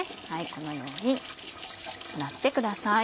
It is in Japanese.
このように洗ってください。